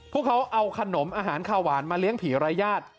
พวกเขาเอาขนมอาหารขาวหวานมาเลี้ยงผีรายญาติ